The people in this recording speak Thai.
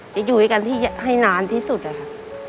จะอยู่ด้วยกันให้นานที่สุดอะค่ะ